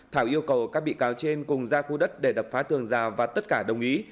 thảo yêu cầu các bị cáo trên cùng ra khu đất để đập phá tường rào và tất cả đồng ý